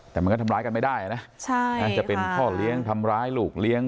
แต่มันก็ทำร้ายกันไม่ได้นะจะเป็นพ่อเลี้ยงทำร้ายลูกเลี้ยง